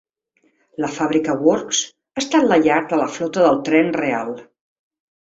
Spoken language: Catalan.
La fàbrica Works ha estat la llar de la flota del Tren Real.